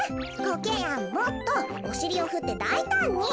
コケヤンもっとおしりをふってだいたんに。